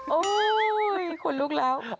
โอ้โฮคุณลูกเรา